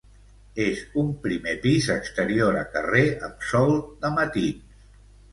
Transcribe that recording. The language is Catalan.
És un primer pis exterior a carrer amb sol de matins.